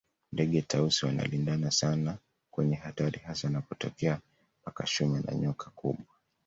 Ndege Tausi wanalindana sana kwenye hatari hasa anapotokea paka shume na nyoka wakubwa